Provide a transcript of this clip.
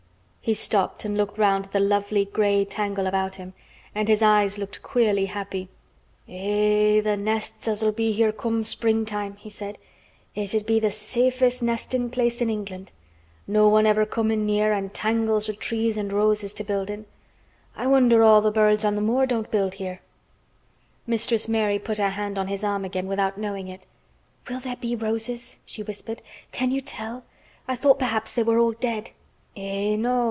He stopped and looked round at the lovely gray tangle about him, and his round eyes looked queerly happy. "Eh! the nests as'll be here come springtime," he said. "It'd be th' safest nestin' place in England. No one never comin' near an' tangles o' trees an' roses to build in. I wonder all th' birds on th' moor don't build here." Mistress Mary put her hand on his arm again without knowing it. "Will there be roses?" she whispered. "Can you tell? I thought perhaps they were all dead." "Eh! No!